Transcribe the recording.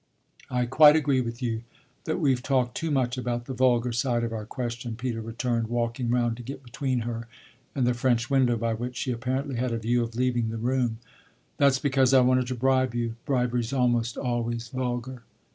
"I quite agree with you that we've talked too much about the vulgar side of our question," Peter returned, walking round to get between her and the French window by which she apparently had a view of leaving the room. "That's because I've wanted to bribe you. Bribery's almost always vulgar."